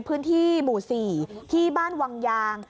พื้นที่หมู่๔ที่บ้านวังยาง